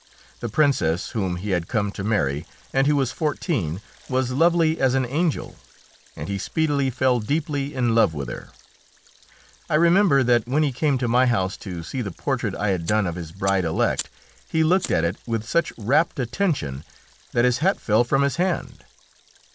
The Princess whom he had come to marry, and who was fourteen, was lovely as an angel, and he speedily fell deeply in love with her. I remember that when he came to my house to see the portrait I had done of his bride elect, he looked at it with such rapt attention that his hat fell from his hand.